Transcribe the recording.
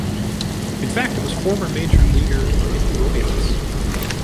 In fact it was former major leaguer Minnie Rojas.